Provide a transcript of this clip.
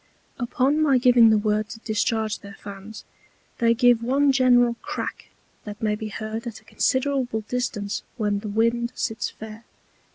Upon my giving the Word to discharge their Fans, they give one general Crack that may be heard at a considerable distance when the Wind sits fair.